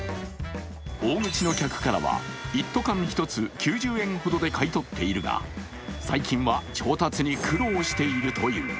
大口の客からは、一斗缶１つ９０円ほどで買い取っているが、最近は調達に苦労しているという。